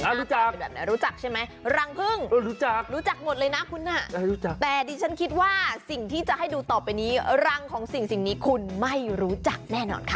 รู้จักไหนรู้จักใช่ไหมรังพึ่งรู้จักหมดเลยนะคุณอ่ะแต่ดิฉันคิดว่าสิ่งที่จะให้ดูต่อไปนี้รังของสิ่งนี้คุณไม่รู้จักแน่นอนค่ะ